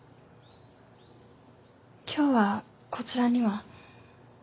今日はこちらには。